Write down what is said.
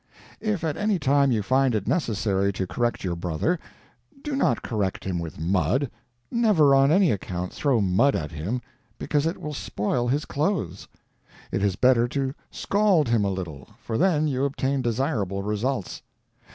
If at any time you find it necessary to correct your brother, do not correct him with mud never, on any account, throw mud at him, because it will spoil his clothes. It is better to scald him a little, for then you obtain desirable results.